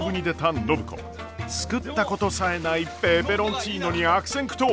作ったことさえないペペロンチーノに悪戦苦闘！